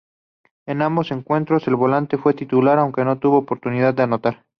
En ambos encuentros, el volante fue titular, aunque no tuvo oportunidad de anotar.